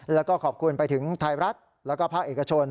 แล้วก็ขอบคุณไปถึงไทยรัฐแล้วก็ภาคเอกชน